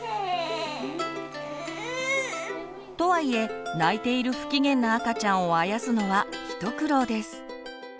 とはいえ泣いている不機嫌な赤ちゃんをあやすのは一苦労です。